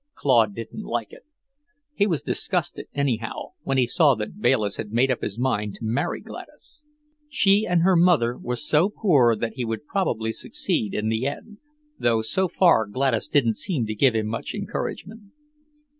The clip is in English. Claude didn't like it. He was disgusted, anyhow, when he saw that Bayliss had made up his mind to marry Gladys. She and her mother were so poor that he would probably succeed in the end, though so far Gladys didn't seem to give him much encouragement.